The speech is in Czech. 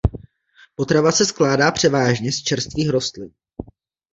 Potrava se skládá převážně z čerstvých rostlin.